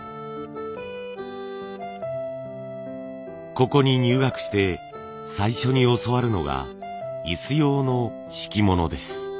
ここに入学して最初に教わるのが椅子用の敷物です。